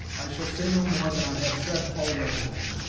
I shall say no more than I have said already."